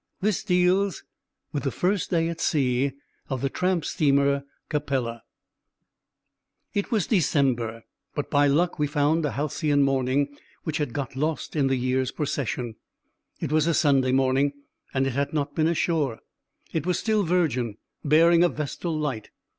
This deals with the first day at sea of the tramp steamer Capella: It was December, but by luck we found a halcyon morning which had got lost in the year's procession. It was a Sunday morning, and it had not been ashore. It was still virgin, bearing a vestal light.